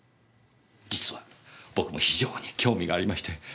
実は僕も非常に興味がありまして。